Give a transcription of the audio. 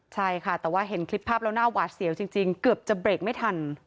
ใช่ค่ะแต่ว่าเห็นคลิปภาพแล้วหน้าหวาดเสียวจริงเกือบจะเบรกไม่ทัน